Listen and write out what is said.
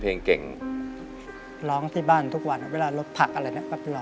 โปรดคิดเมตายอดมาบางสิ